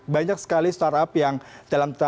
banyak sekali startup yang dalam